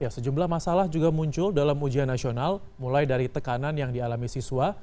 sejumlah masalah juga muncul dalam ujian nasional mulai dari tekanan yang dialami siswa